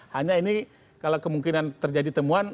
hanya ini kalau kemungkinan terjadi temuan